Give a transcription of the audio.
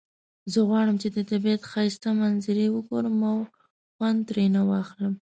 زه غواړم چې د طبیعت ښایسته منظری وګورم او خوند ترینه واخلم